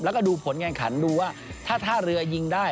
แล้วก็ดูผลงานขันดูว่าถ้าท่าเรือยิงได้